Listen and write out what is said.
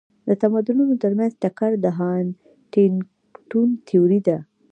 د تمدنونو ترمنځ ټکر د هانټینګټون تيوري ده.